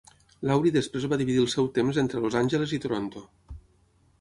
Laurie després va dividir el seu temps entre Los Angeles i Toronto.